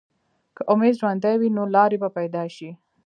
که امید ژوندی وي، نو لارې به پیدا شي.